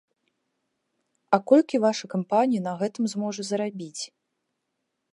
А колькі ваша кампанія на гэтым зможа зарабіць?